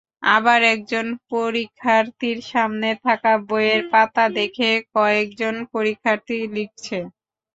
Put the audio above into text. আবার একজন পরীক্ষার্থীর সামনে থাকা বইয়ের পাতা দেখে কয়েকজন পরীক্ষার্থী লিখছে।